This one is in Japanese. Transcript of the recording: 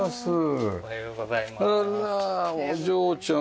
あらお嬢ちゃん！